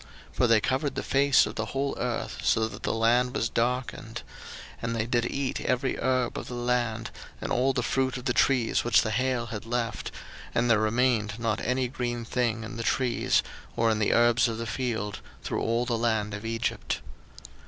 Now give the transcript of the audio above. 02:010:015 For they covered the face of the whole earth, so that the land was darkened; and they did eat every herb of the land, and all the fruit of the trees which the hail had left: and there remained not any green thing in the trees, or in the herbs of the field, through all the land of Egypt.